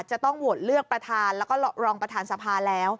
จะต้องโหวตเลือกประธานแล้วก็รองประธานสภาแล้ว